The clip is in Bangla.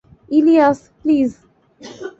ইলিয়াস, প্লিজ!